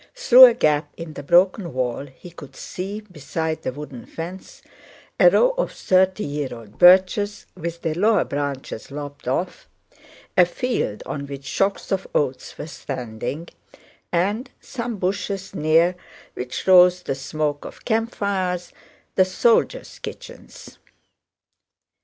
Through a gap in the broken wall he could see, beside the wooden fence, a row of thirty year old birches with their lower branches lopped off, a field on which shocks of oats were standing, and some bushes near which rose the smoke of campfires—the soldiers' kitchens.